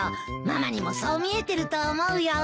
ママにもそう見えてると思うよ。